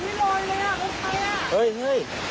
โอ้โฮโรยเลยอ่ะรถไทยอ่ะ